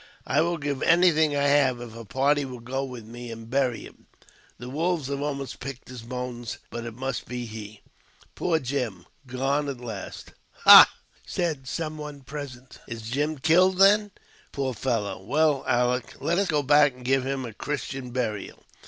I will give anything I have if a party will go with me and bury him. The wolves have almost picked his bones, but it must be he. Poor, poor Jim ! gone at last !"" Ha !" said some one present, '' is Jim killed, then? Poor fellow ! Well, Aleck, let us go back and give him a Christian burial."